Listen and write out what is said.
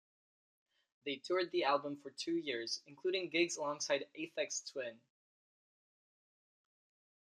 They toured the album for two years, including gigs alongside Aphex Twin.